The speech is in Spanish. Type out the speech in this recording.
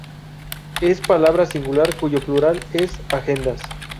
Es palabra singular cuyo plural es "agendas".